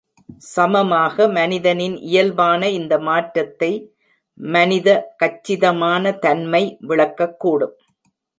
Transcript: சமமாக, மனிதனின் இயல்பான இந்த மாற்றத்தை மனித " கச்சிதமான தன்மை " விளக்கக்கூடும்.